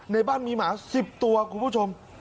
ในบ้านมีหมา๑๐ตัวคุณผู้ชม